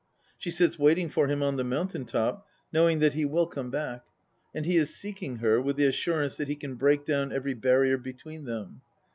She sits waiting for him on the mountain top, knowing that he will come back ; and he is seeking her, with the assurance that he can break down every barrier between them.